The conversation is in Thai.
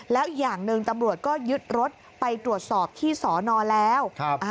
แล้วอย่างหนึ่งตำรวจก็ยึดรถไปตรวจสอบที่สอนอแล้ว